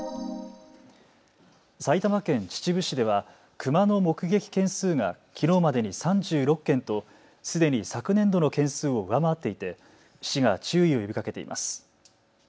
埼玉県秩父市ではクマの目撃件数がきのうまでに３６件とすでに昨年度の件数を上回っていて市が注意を呼びかけています。